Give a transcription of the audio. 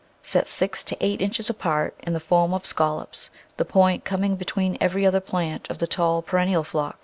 Set six to eight inches apart, in the form of scallops, the point coming between every other plant of the tall, perennial Phlox.